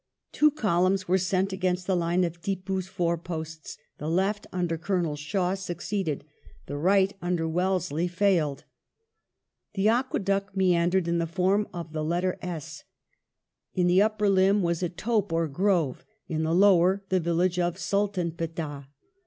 Two columns were sent against the line of Tippoo's foreposts; the left, under Colonel Shaw, succeeded ; the right, under Wellesley, H SIEGE OF SERINGAPATAM 41 failed. The aqueduct meandered in the form of the letter S. In the upper limb was a tope or grove; in the lower the village of Sultanpetah.